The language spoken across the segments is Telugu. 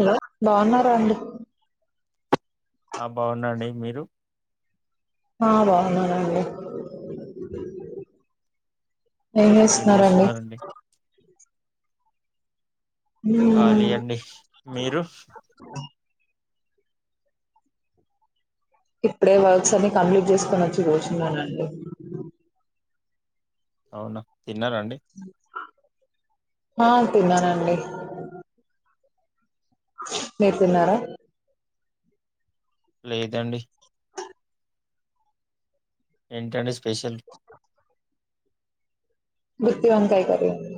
హ బాగున్నారా అండి ఆ బాగున్నాండి మీరు ఆ బాగున్నాఅండి ఏం చేస్తున్నారండి ఖాళీ అండి మీరు హు ఇప్పుడే వర్క్స అని కంప్లీట్ చేసుకోని వచి కూర్చున్నానండి అవునా తిన్నారండి హా తిన్నానండి మీరు తిన్నారా లేదండి ఏంటండి స్పెషల్ గుత్తి వంకాయ కర్రీ అండి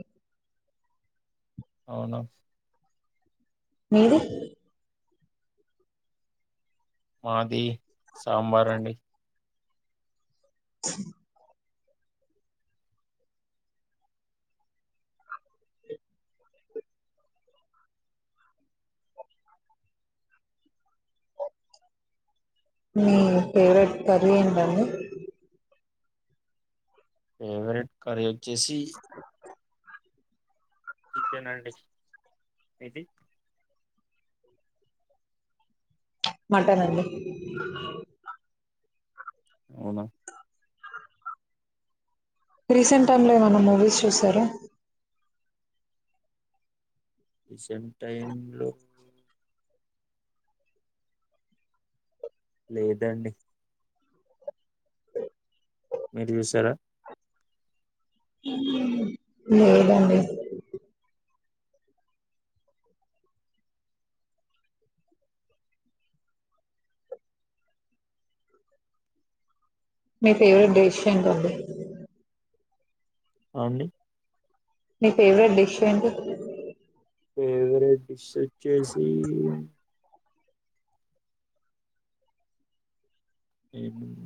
అవునా మీది మాది సాంబార్ అండి మీ ఫేవరెట్ కర్రీ ఏంటండి ఫేవరెట్ కర్రి చేసి చికెనండి మీకీ మటన్ అండి అవునా రీసెంట్ టైమ్ంలో ఏమైన మూవీస్ చూశారా రీసెంట్ టైమ్ లో లేదండి మీరు చూసారా లేదండి మీ ఫేవరెట్ డిష్ ఏంటండీ ఆండీ నీ ఫేవరెట్ డిష్ ఏంటి ఫేవరెట్ డిష్ వచ్చేసి ఏముం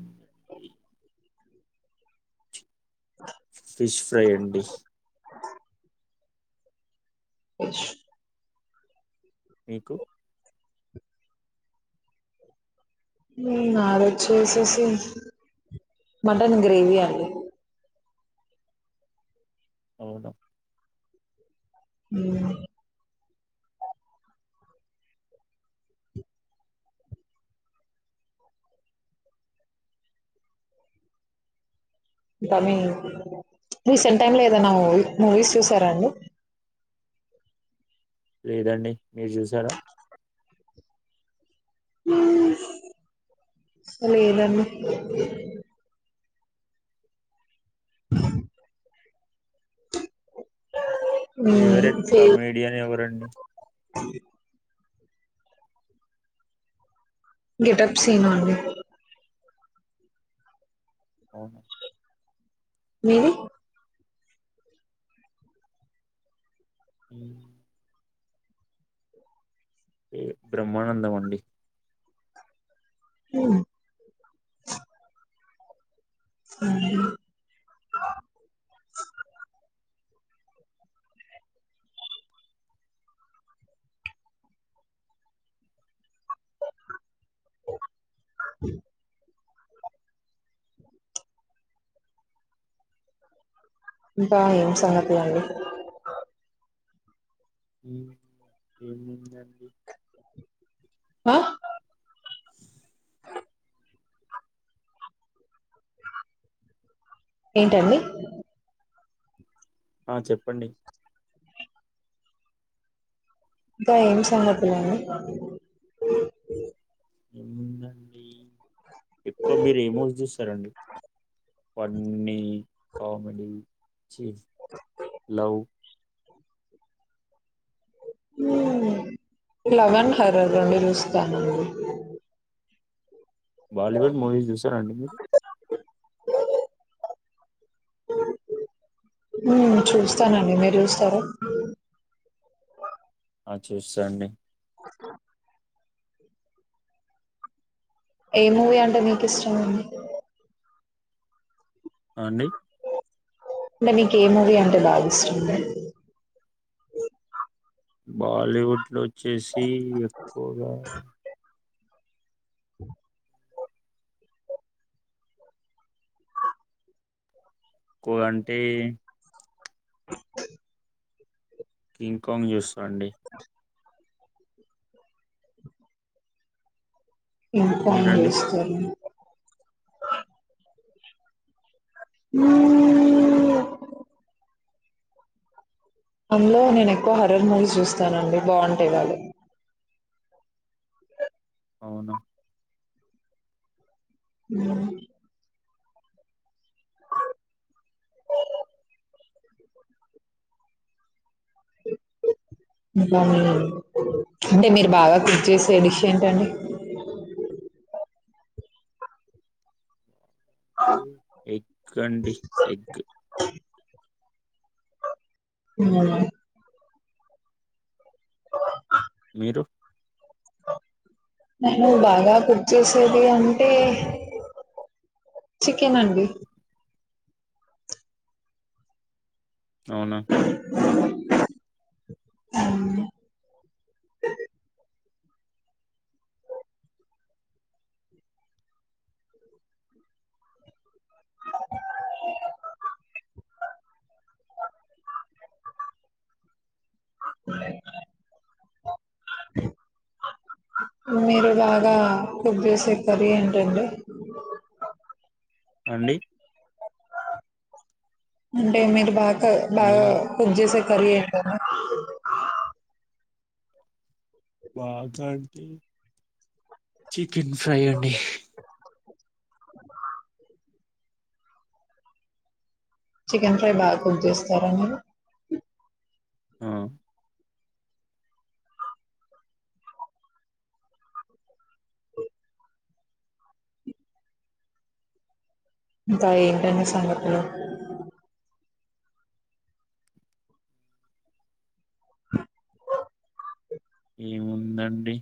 ఫిష్ ఫ్రై అండి ష్ మీకు నాది వచ్చేసేసి మటన్ గ్రేవీ అండి అవునా ఉమ్ డమి రీసెంట్ టై లో ఏదైనా మూ మూవీస్ చూసారాండి లేదండి మీరు చూసారా మ్ లేదండి ఫేవరెట్ కామెడియన్ ఎవరండి అే గెట్ అప్ సీను అండి అవును మీది ఉమ్ ఎ బ్రహ్మానందం అండి ఉమ్ ఉంహు ఇంకా ఏం సంగతి అండి ఉమ్ ఏముందండి ఆ ఏంటండి ఆ చెప్పండి ఇకా ఏయిం సంఘతును ఎందండి ఎక్కువ మీరు ఏమో చూస్తారండి పన్నీ కామెడీ చి లోలౌ లవన్ర్దండి చూస్తాను బాలీవుడ్ మూవీస్ చూసారాండి మీరు చూస్తానండి మీరు చూస్తారు ఆ చూస్తాండి ఉ ఏ మూవీ అంటే మీకు ఇష్టం అండి అండి అంటే మీకు ఏ మూవీ అంటే బాగా ఇష్ట బాలీవుడ్ లో వ చేేసి ఎక్కువగా కో అంటే ఉ కింగ్కాంగ్ యూస్ అండి ఇకా మీరండి వస్త హ్మ్ అందులో నేను ఎక్కువ హరహర్ మూవీ చూస్తానండి బాగుంటే వాళ్ళు అవును హ్మ్ ఇంకా అంటే మీరు బాగా కుక్ చేసే డిష్ ఏంటండి ఎగ్ అండి ఎగ్ ఆ మీరు నేను బాగా కుక్ చేసేది అంటే చికెన్ అండి అవునా ఉమ్ ఆ మీరు బాగా కుక్ జేసె కర్రీ ఏంటండి అండి అంటే అ మీర్బాగ నే బాగా కుక్ జేసె క కరి ఏంట బాగా అంటే చికెన్ ఫ్రై అండి చికెన్ ఫ్రై బాగా కుక్ చేస్తారా మీరు ఆ ఇంకా ఏంటనే సంగతులు ఏముందండి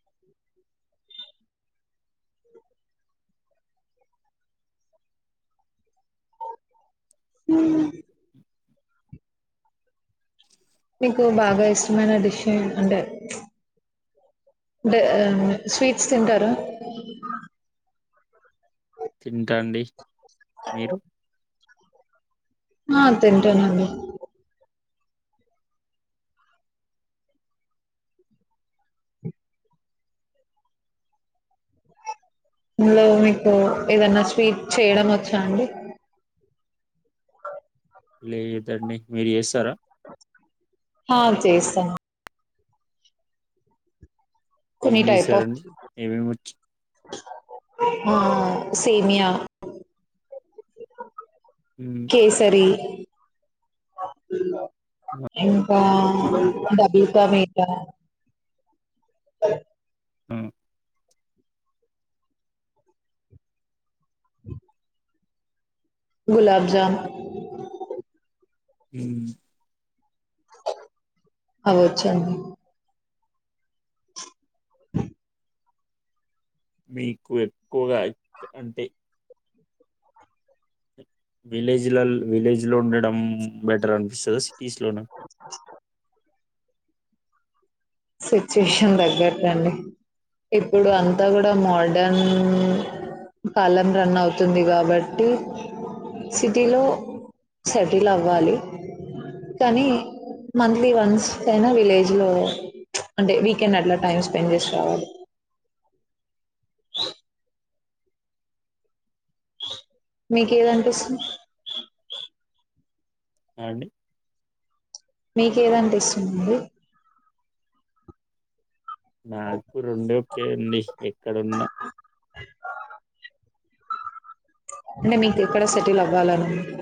ఉ హ్మ్ మీకు బాగా ఇష్టమైన డిష్ అంటేంటే స్వీట్స్ తింటారు తింటండి మీరు ఆ తింటానండి ఇందులో మీకు ఏదన్నా స్వీట్ చేయడం వచ్చా అండి లేదండి మీరు చేస్తారా స ఏం కొన్ని టైప్ఫ్ చేస్తారండి ఏమేమిచ్చు సేమయా కేసరి ఉ బా డబుల్ కామిత అ హ్మ్ ఉ గులాబ్ జామ్ ఇం ఆ వచ్చాయి అ మీకు ఎక్కువగా ఎక్కడంటే విలేజ్లలో విలేజ్ లో ఉండడం బెటర్ అనిపిస్తద అ సిచ్యుయేషన్ తగ్గట్టండి ఇప్పుడు అంతా మోడరణ్ కాలం రన్ అవుతుంది కాబట్టి సిటీలో సెటిల్ అవ్వాలి కానీ మంత్లీ వన్స్ అయినా విలేజ్ లో ఉచ్ అంటే వీకెండ్ అట్లా టైం స్పెండ్ చేసి రావాలి మీకేం అనిపిస్తుంది హ అండి నీకేదనిపిస్తుంది నాకు రెండు ఓకే అండి ఎక్కడున్న అ అంటే మీకు ఎక్కడ సెటిల్ అవ్వాలని ఉంది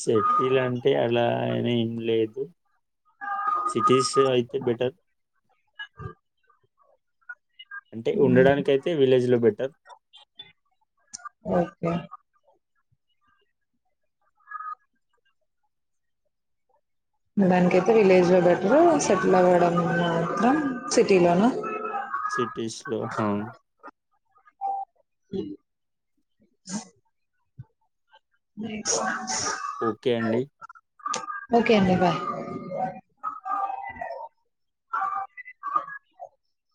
సెటీల్ అంటే అలా అని ఏం లేదు సిటీస్ అయితే బెటర్ అంటే ఉండడానికి అయితే విలేజ్ లో పెట్టు సార్ ఓకే ఉండడానికైతే విలేజ్ లో బెటరు సెటిల్ అవ్వడం మాత్రం సిటీ లోనొ సిటిస్ లొ హ ఉచ్ అ ఓకే అండి ఓకే అండి బాయ్